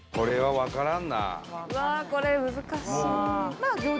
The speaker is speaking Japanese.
うわあこれ難しい。